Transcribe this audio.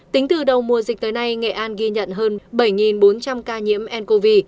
tính từ đầu mùa dịch tới nay nghệ an ghi nhận hơn bảy bốn trăm linh ca nhiễm ncov